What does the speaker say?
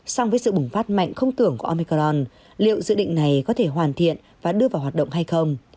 song với sự bùng phát mạnh không tưởng của omicron liệu dự định này có thể hoàn thiện và đưa vào hoạt động hay không